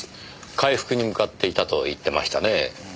回復に向かっていたと言ってましたねぇ。